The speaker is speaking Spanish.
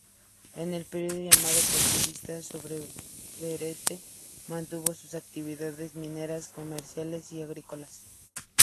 En el periodo llamado porfirista Sombrerete mantuvo sus actividades mineras, comerciales y agrícolas.